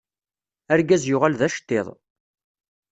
Argaz yuɣal d aceṭṭiḍ.